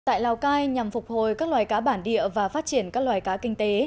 tại lào cai nhằm phục hồi các loài cá bản địa và phát triển các loài cá kinh tế